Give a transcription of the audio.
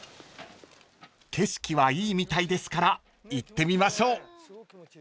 ［景色はいいみたいですから行ってみましょう］